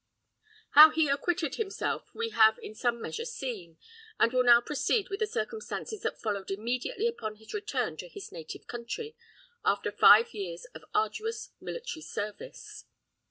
How he acquitted himself we have in some measure seen, and will now proceed with the circumstances that followed immediately upon his return to his native country, after five years of arduous military service.